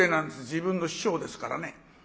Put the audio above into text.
自分の師匠ですからね。